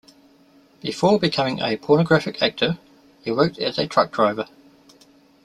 Before becoming a pornographic actor, he worked as a truck driver.